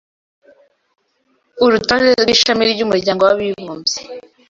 Urutonde rw'ishami ry'umuryango w'abibumbye